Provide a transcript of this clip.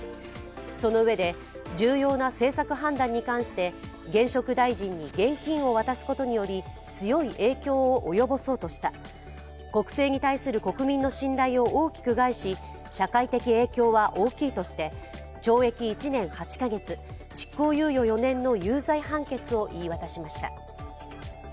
そのうえで重要な政策判断に関して現職大臣に現金を渡すことにより強い影響を及ぼそうとした、国政に対する国民の信頼を大きく害し社会的影響は大きいとして懲役１年８カ月執行猶予４年の有罪判決を言い渡しました。